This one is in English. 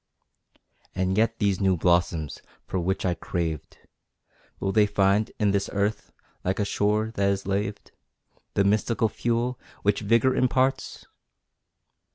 And yet these new blossoms, for which I craved, Will they find in this earth like a shore that is laved The mystical fuel which vigour imparts?